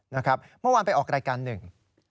เมื่อวานไปออกรายการหนึ่ง